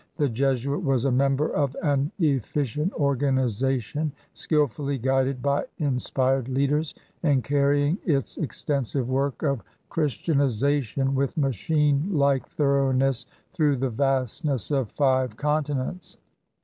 The Jesuit was a member of an efficient organization, skillfully guided by in spired leaders and carrying its extensive work of Christianization with machine like thoroughness through the vastness of five continents.